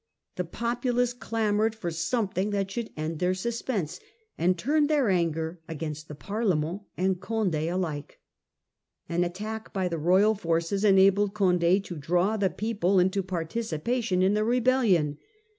The populace clamoured for some thing that should end their suspense, and turned their anger against the Parlement and Conde alike. An attack by the royal forces enabled Condd to draw the people into participation in the rebellion.